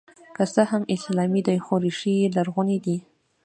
که څه هم اسلامي دی خو ریښې یې لرغونې دي